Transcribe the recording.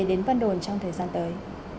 đến văn đồn trong thời gian tới